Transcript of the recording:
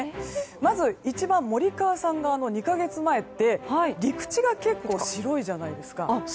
まず一番、森川さん側の２か月前は陸地が結構白いじゃないですか。